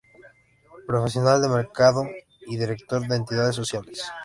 Profesional de mercadeo y director de entidades sociales.